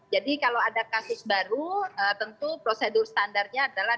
jadi kalau ada kasus baru tentu prosedur standarnya adalah